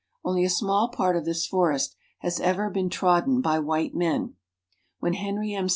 Only a small part of this forest has ever been trodden by white men. When Henry M.